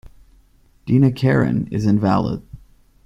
Dinakaran is invalid.